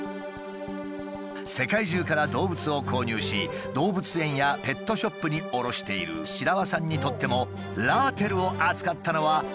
世界中から動物を購入し動物園やペットショップに卸している白輪さんにとってもラーテルを扱ったのは今回が初めてだという。